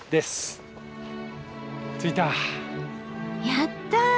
やった！